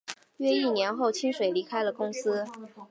约一年后清水离开了公司。